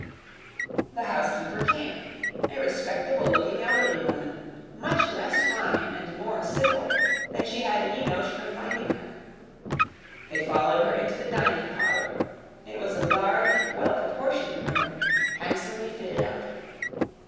The housekeeper came; a respectable looking elderly woman, much less fine, and more civil, than she had any notion of finding her. They followed her into the dining parlour. It was a large, well proportioned room, handsomely fitted up.